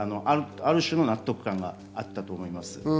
ある種の納得感があったと思います。